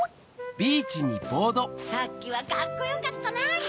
さっきはカッコよかったな。